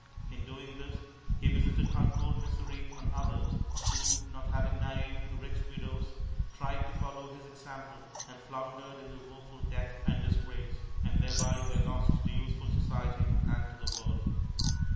In doing this, he visited untold misery on others, who, not having married rich widows, tried to follow his example and floundered into woeful debt and disgrace; and thereby were lost to useful society and to the world.